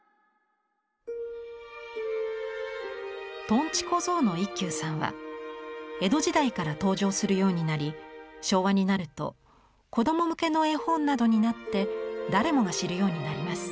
とんち小僧の一休さんは江戸時代から登場するようになり昭和になると子供向けの絵本などになって誰もが知るようになります。